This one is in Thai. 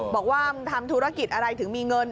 บอกว่ามันทำธุรกิจอะไรถึงมีเงิน